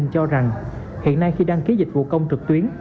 cho rằng hiện nay khi đăng ký dịch vụ công trực tuyến